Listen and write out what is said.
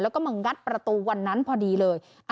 แล้วก็มางัดประตูวันนั้นพอดีเลย